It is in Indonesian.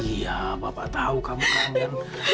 iya bapak tahu kamu kangen